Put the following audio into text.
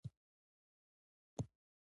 موږ بايد ځيني کارونه د سياليو له لاري وکو.